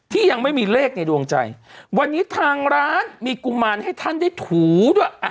ยังไม่มีเลขในดวงใจวันนี้ทางร้านมีกุมารให้ท่านได้ถูด้วย